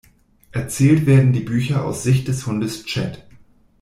Erzählt werden die Bücher aus Sicht des Hundes Chet.